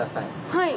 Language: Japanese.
はい。